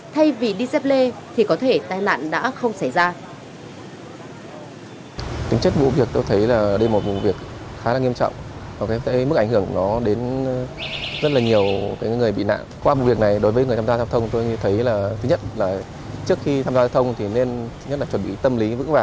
thay vì đi xếp lê thì có thể tai nạn đã không xảy ra